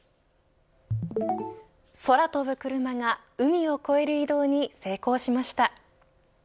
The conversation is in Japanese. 空飛ぶクルマが海を越える移動に成功しました。